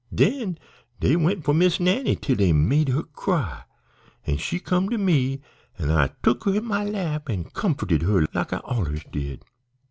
Den dey went for Miss Nannie till dey made her cry, an' she come to me, an' I took her in my lap an' comfo'ted her like I allers did.